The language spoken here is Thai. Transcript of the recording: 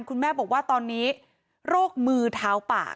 คุณแม่บอกว่าตอนนี้โรคมือเท้าปาก